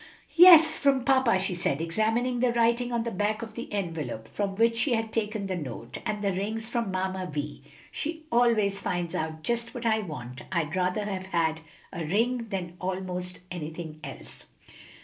"Yes; from papa," she said, examining the writing on the back of the envelope from which she had taken the note, "and the ring's from Mamma Vi. She always finds out just what I want. I'd rather have had a ring than almost anything else."